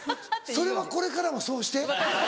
それはこれからもそうして。